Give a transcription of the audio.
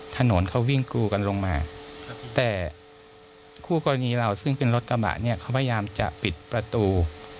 ถนนเขาวิ่งกูกันลงมาแต่คู่กรณีเราซึ่งเป็นรถกระบะเนี่ยเขาพยายามจะปิดประตู